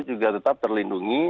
juga tetap terlindungi